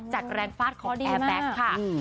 จากแรงฟาดของแอร์แบค